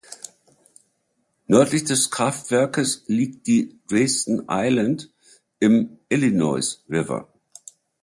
Nördlich des Kraftwerkes liegt die "Dresden Island" im Illinois River.